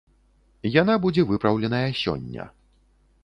Яна будзе выпраўленая сёння.